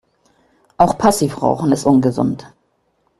Auch Passivrauchen ist ungesund.